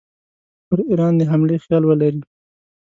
پر ایران د حملې خیال ولري.